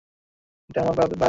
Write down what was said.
এটা আমার বাবার বাড়ি।